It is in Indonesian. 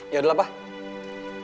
yaudah lah pak